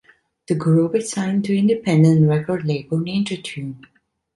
The group is signed to independent record label Ninja Tune.